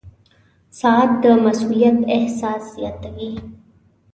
• ساعت د مسؤولیت احساس زیاتوي.